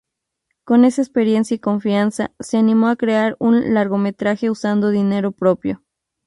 Con esa experiencia y confianza, se animó a crear un largometraje usando dinero propio.